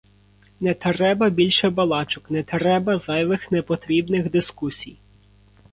Не треба більше балачок, не треба зайвих, непотрібних дискусій.